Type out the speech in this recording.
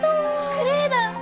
クレーだ！